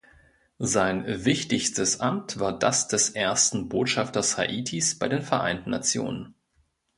Sein wichtigstes Amt war das des ersten Botschafters Haitis bei den Vereinten Nationen.